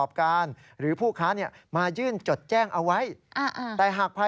ยอมรับว่าการตรวจสอบเพียงเลขอยไม่สามารถทราบได้ว่าเป็นผลิตภัณฑ์ปลอม